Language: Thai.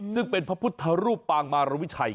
ซึ่งเป็นพระพุทธรูปปางมารวิชัย